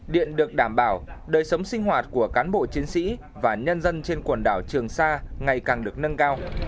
điện được đảm bảo đời sống sinh hoạt của cán bộ chiến sĩ và nhân dân trên quần đảo trường sa ngày càng được nâng cao